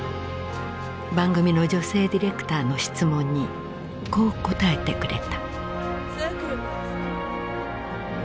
番組の女性ディレクターの質問にこう答えてくれた。